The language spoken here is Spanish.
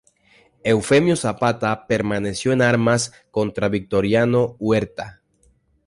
Eufemio Zapata permaneció en armas contra Victoriano Huerta.